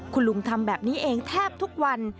คุณลุงทำแบบนี้เองแทบทุกวัน